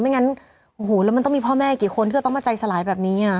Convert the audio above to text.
งั้นโอ้โหแล้วมันต้องมีพ่อแม่กี่คนที่เราต้องมาใจสลายแบบนี้อ่ะ